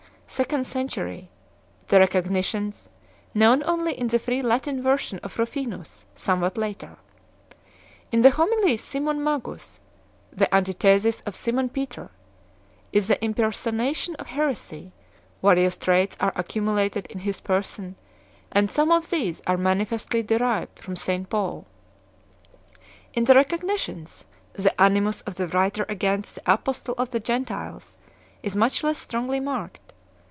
second century, the Recognitions, known only in the free Latin version of Ruffinus, somewhat later. In the Homilies, Simon Magus, the antithesis of Simon Peter, is the imper sonation of heresy; various traits are, accumulated in his person, and some of these are manifestly derived from St Paul; in the Recognitions the animus of the writer against the apostle of the Gentiles is much less strongly marked.